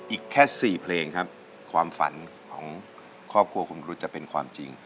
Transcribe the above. อีกแค่๔เพลงครับความฝันของครอบครัวคุณรุษจะเป็นความจริง